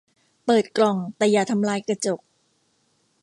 เปิดกล่องแต่อย่าทำลายกระจก